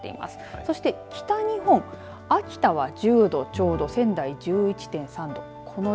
そして北日本秋田は１０度ちょうど仙台１１．３度。